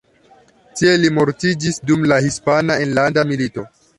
Tie li mortiĝis dum la Hispana Enlanda Milito.